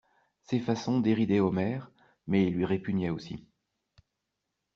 Ces façons déridaient Omer, mais lui répugnaient aussi.